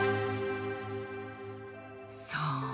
そう！